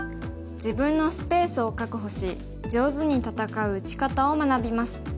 自分のスペースを確保し上手に戦う打ち方を学びます。